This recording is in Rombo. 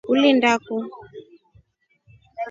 Ulinda kuu.